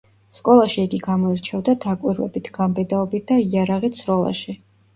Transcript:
სკოლაში იგი გამოირჩეოდა დაკვირვებით, გამბედაობით და იარაღით სროლაში.